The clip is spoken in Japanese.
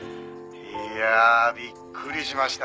「いやあびっくりしましたよ」